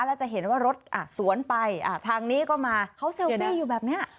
แล้วจะเห็นว่ารถอ่ะสวนไปทางนี้ก็มาเขาเซลฟี่อยู่แบบเนี้ย